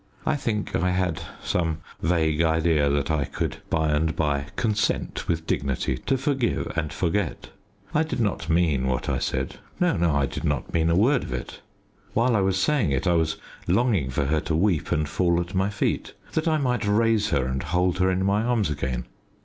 I think I had some vague idea that I could by and by consent with dignity to forgive and forget. I did not mean what I said. No, no; I did not mean a word of it. While I was saying it I was longing for her to weep and fall at my feet, that I might raise her and hold her in my arms again.